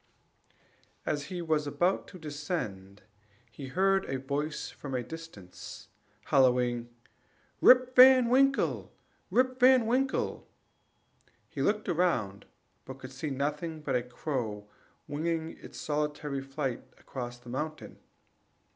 As he was about to descend, he heard a voice from a distance, hallooing, "Rip Van Winkle! Rip Van Winkle!" He looked round, but could see nothing but a crow winging its solitary flight across the mountain.